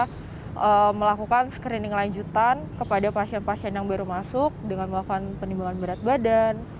kita melakukan screening lanjutan kepada pasien pasien yang baru masuk dengan melakukan penimbangan berat badan